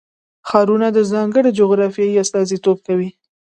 ښارونه د ځانګړې جغرافیې استازیتوب کوي.